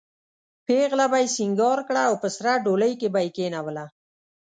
پېغله به یې سینګاره کړه او په سره ډولۍ کې به یې کېنوله.